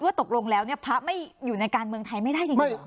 คิดว่าทกลงแล้วเนี่ยภาคนิคไม่อยู่ในการเมืองไทยไม่ได้ใช่ไหม